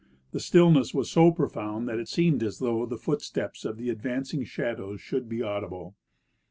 The stillness was so profound that it seemed as though the footsteps of the advanc ing shadows should be audible.